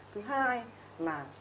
thứ hai là